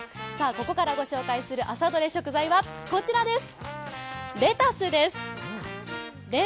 ここからご紹介する朝どれ食材はこちらです。